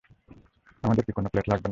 আমাদের কি কোন প্লেট লাগবে না?